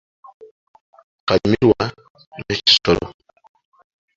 Kalimirwa nakyo kisolo.